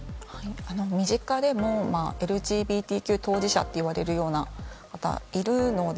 身近でもＬＧＢＴＱ当事者といわれるような方がいるので